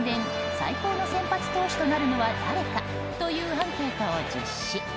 最高の先発投手となるのは誰かというアンケートを実施。